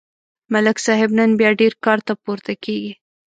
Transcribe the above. ملک صاحب نن بیا ډېر کارته پورته کېږي.